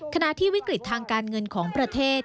ขณะที่วิกฤตทางการเงินของประเทศ